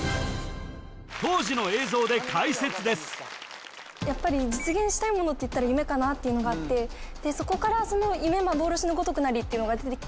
当時の映像で解説ですやはり実現したいものといったら夢かなっていうのがあってそこから「夢幻の如くなり」っていうのが出てきて